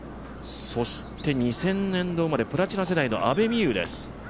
そして２０００年度生まれ、プラチナ世代の阿部未悠です。